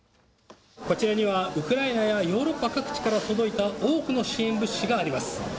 こちらにはウクライナやヨーロッパ各地から届いた多くの支援物資があります。